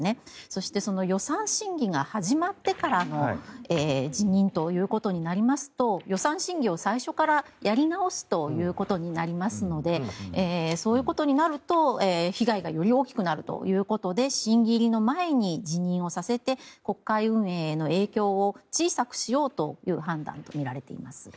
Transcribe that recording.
そして、予算審議が始まってから辞任ということになりますと予算審議を最初からやり直すということになりますのでそういうことになると、被害がより大きくなるということで審議入りの前に辞任をさせて国会運営への影響を小さくしようという判断とみられています。